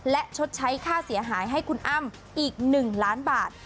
และชดใช้ค่าเสียหายให้คุณอ้ำอีก๑ล้านบาท